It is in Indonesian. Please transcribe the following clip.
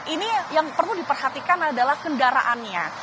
ini yang perlu diperhatikan adalah kendaraannya